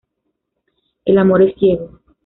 El amor es ciego